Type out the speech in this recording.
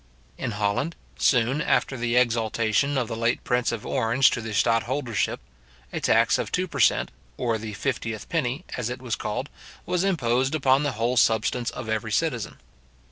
In Holland, soon after the exaltation of the late prince of Orange to the stadtholdership, a tax of two per cent. or the fiftieth penny, as it was called, was imposed upon the whole substance of every citizen.